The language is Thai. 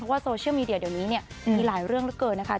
ว่าโซเชียลมีเดียเดี๋ยวนี้เนี่ยมีหลายเรื่องเหลือเกินนะคะ